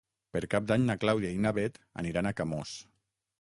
Per Cap d'Any na Clàudia i na Bet aniran a Camós.